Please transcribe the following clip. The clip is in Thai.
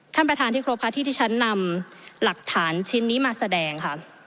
ท่านประธานที่ครบค่ะที่ที่ฉันนำหลักฐานชิ้นนี้มาแสดงค่ะ